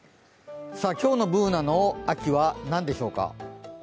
今日のＢｏｏｎａの秋は何でしょうか。